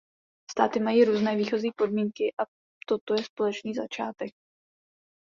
Státy mají různé výchozí podmínky a toto je společný začátek.